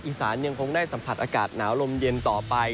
อีสานยังคงได้สัมผัสอากาศหนาวลมเย็นต่อไป